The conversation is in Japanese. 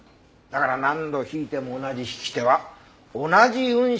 だから何度弾いても同じ弾き手は同じ運指になる。